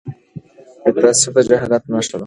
تعصب د جهالت نښه ده..